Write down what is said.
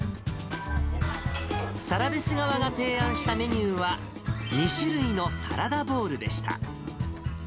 サラベス側が提案したメニューは、２種類のサラダボウルでした。